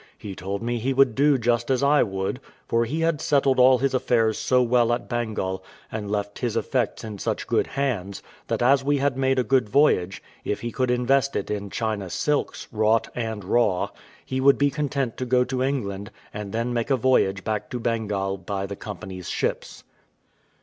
He told me he would do just as I would; for he had settled all his affairs so well at Bengal, and left his effects in such good hands, that as we had made a good voyage, if he could invest it in China silks, wrought and raw, he would be content to go to England, and then make a voyage back to Bengal by the Company's ships.